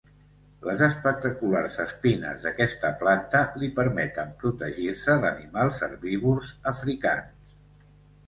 Les espectaculars espines d'aquesta planta li permeten protegir-se d'animals herbívors africans.